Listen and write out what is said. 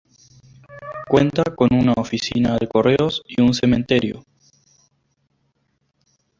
Cuenta con una oficina de correos y un cementerio.